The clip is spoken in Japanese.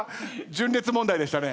純烈問題でしたね。